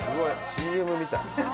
ＣＭみたい。